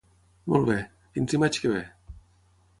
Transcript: Molt bé; fins dimarts que ve.